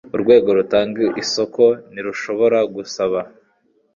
Urwego rutanga isoko ntirushobora gusaba